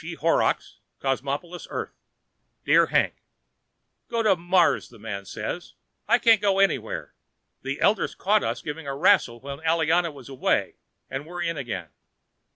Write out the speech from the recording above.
E. Horrocks, Cosmopolis, Earth Dear Hank: Go to Mars, the man says. I can't go anywhere. The elders caught us giving a rassle when Aliana was away and we're in again.